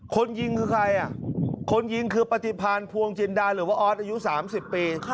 คนยิงคือใครอ่ะคนยิงคือปฏิพันธ์ภวงจินดาหรือว่าออสอายุ๓๐ปี